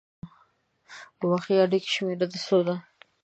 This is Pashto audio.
اوبښئ! اړیکې شمیره د څو ده؟